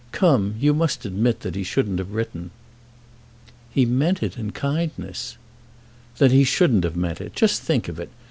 Come; you must admit that he shouldn't have written." "He meant it in kindness." "Then he shouldn't have meant it. Just think of it.